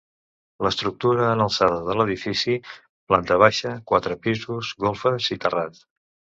L'estructura en alçat de l'edifici planta baixa, quatre pisos, golfes i terrat.